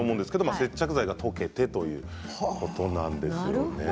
接着剤が溶けてということなんですね。